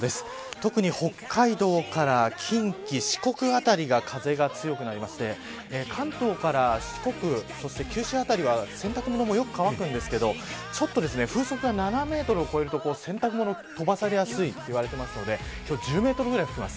特に北海道から近畿、四国辺りが風が強くなりまして関東から四国そして九州辺りは洗濯物もよく乾くんですがちょっと風速が７メートルを超えると洗濯物が飛ばされやすいといわれているので今日は１０メートルぐらい吹きます。